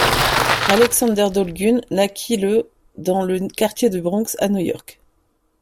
Alexander Dolgun naquit le dans le quartier du Bronx, à New York.